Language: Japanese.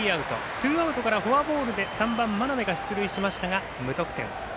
ツーボールからフォアボールで３番、真鍋が出塁しましたが無得点。